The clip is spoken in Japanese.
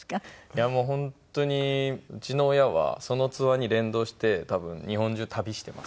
いやもう本当にうちの親はそのツアーに連動して多分日本中旅していますね。